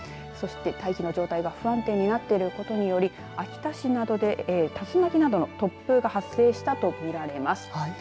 そして、大気の状態が不安定になっていることにより秋田市などで竜巻などの突風が発生したとみられます。